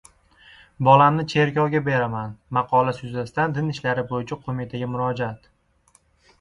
"Bolamni cherkovga beraman" maqolasi yuzasidan Din ishlari bo‘yicha qo‘mitaga murojaat